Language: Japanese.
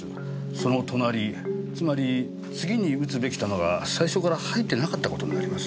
その隣つまり次に撃つべき弾が最初から入ってなかった事になります。